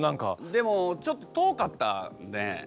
でもちょっと遠かったので。